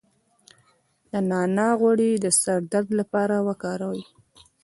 د نعناع غوړي د سر درد لپاره وکاروئ